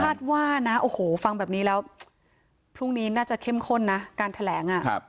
ว่านะโอ้โหฟังแบบนี้แล้วพรุ่งนี้น่าจะเข้มข้นนะการแถลง